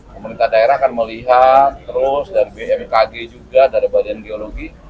pemerintah daerah akan melihat terus dari bmkg juga dari badan geologi